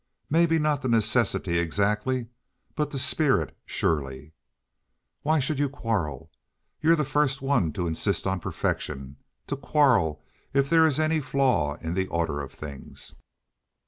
"Maybe not the necessity exactly, but the spirit surely. Why should you quarrel? You're the first one to insist on perfection—to quarrel if there is any flaw in the order of things."